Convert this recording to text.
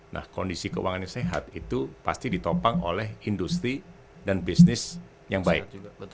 nah kondisi keuangan yang sehat itu pasti ditopang oleh industri dan bisnis yang baik